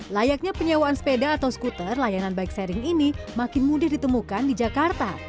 layaknya penyewaan sepeda atau skuter layanan bike sharing ini makin mudah ditemukan di jakarta